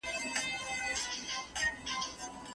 آیا د علاج مصارف پر خاوند باندې واجب دي؟